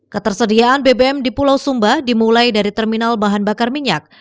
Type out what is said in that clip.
ketersediaan bbm di pulau sumba dimulai dari terminal bahan bakar minyak